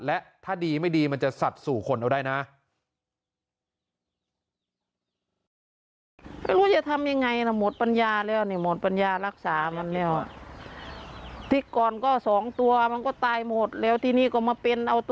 และถ้าดีไม่ดีมันจะสัดสู่คนเอาได้นะ